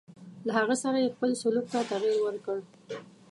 له هغه سره یې خپل سلوک ته تغیر ورکړ.